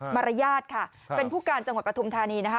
มารยาทค่ะเป็นผู้การจังหวัดปฐุมธานีนะคะ